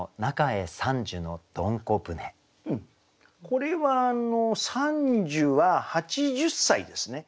これは傘寿は８０歳ですね。